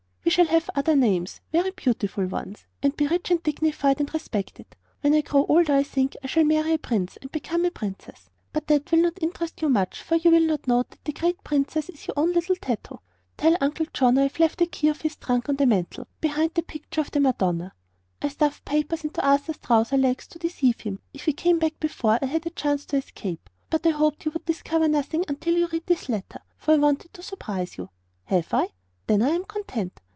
We shall have other names very beautiful ones and be rich and dignified and respected. When I grow older I think I shall marry a prince and become a princess; but that will not interest you much, for you will not know that the great princess is your own little Tato. "Tell Uncle John I have left the key to his trunk on the mantel, behind the picture of the madonna. I stuffed papers into Arthur's trouser leg to deceive him if he came back before I had a chance to escape. But I hoped you would discover nothing until you read this letter, for I wanted to surprise you. Have I? Then I am content.